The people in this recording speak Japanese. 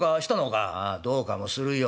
「ああどうかもするよ。